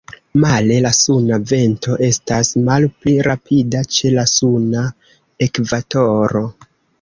Male, la suna vento estas malpli rapida ĉe la suna ekvatoro.